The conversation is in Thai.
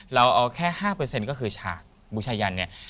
เราเอาแค่๕เปอร์เซ็นต์ก็คือฉากบุชยันะเนี่ย